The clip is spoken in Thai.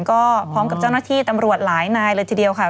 ก็พร้อมกับเจ้าหน้าที่ตำรวจหลายนายเลยทีเดียวค่ะ